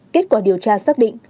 kết quả điều tra xác định